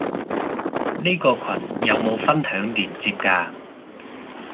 呢個羣有冇分享連接嘅？